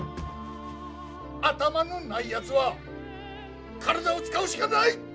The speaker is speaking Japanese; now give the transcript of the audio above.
頭のないやつは体を使うしかない！